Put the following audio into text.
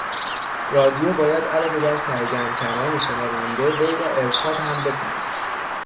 رادیو باید علاوه بر سرگرم کردن شنونده وی را ارشاد هم بکند.